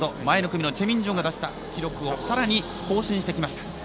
前の組のチェ・ミンジョンが出した記録をさらに更新してきました。